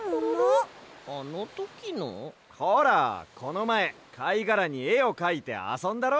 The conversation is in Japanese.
ほらこのまえかいがらにえをかいてあそんだろ？